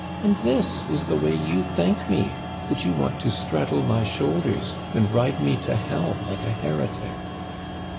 And this is the way you thank me, that you want to straddle my shoulders and ride me to hell like a heretic